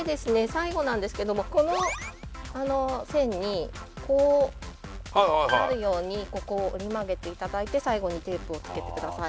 最後なんですけどもこの線にこうなるようにここを折り曲げていただいて最後にテープをつけてください